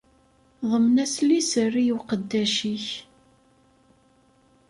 Ḍemn-as liser i uqeddac-ik.